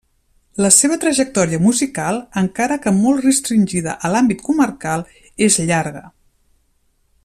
La seva trajectòria musical, encara que molt restringida a l’àmbit comarcal, és llarga.